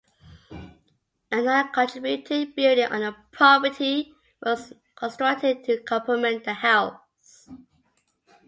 A noncontributing building on the property was constructed to complement the house.